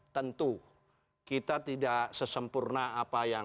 tentu kita tidak sesempurna apa yang